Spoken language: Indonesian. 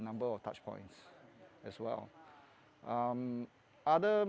pembedahan lainnya adalah